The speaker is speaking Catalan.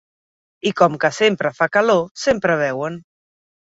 I com que sempre fa calor, sempre beuen.